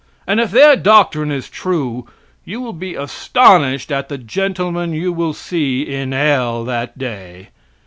And if their doctrine is true, you will be astonished at the gentlemen you will see in hell that day.